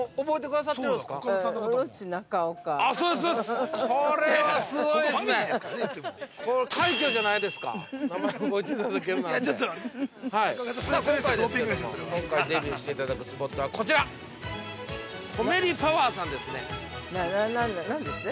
さあ、今回ですけれども今回デビューしていただくスポットはこちらコメリパワーさんですね。